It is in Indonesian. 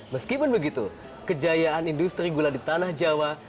meskipun begitu kejayaan industri gula di tanah jawa